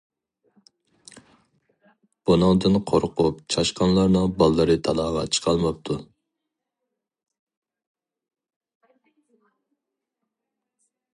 بۇنىڭدىن قورقۇپ چاشقانلارنىڭ باللىرى تالاغا چىقالماپتۇ.